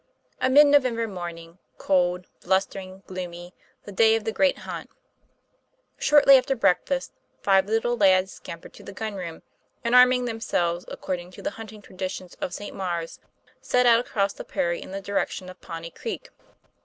A MID NOVEMBER morning, cold, blustering, gloomy, the day of the great hunt. Shortly after breakfast, five little lads scampered to the gun room, and arming themselves according to the hunting traditions of St. Maure's, set out across the prairie in the direction of Pawnee Creek.